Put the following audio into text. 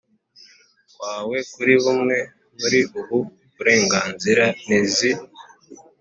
wawe kuri bumwe muri ubu burenganzira n izi